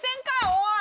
おい！